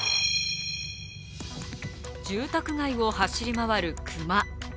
住宅街を走り回る熊。